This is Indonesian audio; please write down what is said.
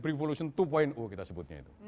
revolution dua kita sebutnya itu